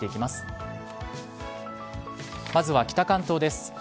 まずは北関東です。